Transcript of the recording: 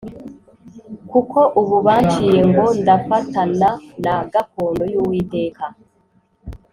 kuko ubu banciye ngo ndafatana na gakondo y’Uwiteka